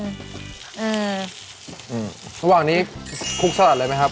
ระหว่างนี้คุกสลัดเลยไหมครับ